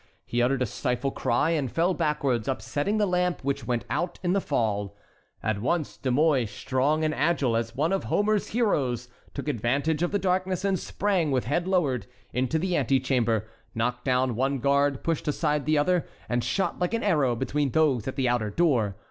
He uttered a stifled cry and fell backwards, upsetting the lamp, which went out in the fall. At once De Mouy, strong and agile as one of Homer's heroes, took advantage of the darkness and sprang, with head lowered, into the antechamber, knocked down one guard, pushed aside the other, and shot like an arrow between those at the outer door.